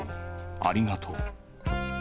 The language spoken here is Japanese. ありがとう。